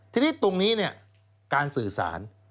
ทีนี้ตรงนี้การสื่อสาร